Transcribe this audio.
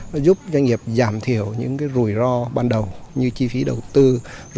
nó giúp doanh nghiệp giảm thiểu những rủi ro ban đầu như chi phí đầu tiên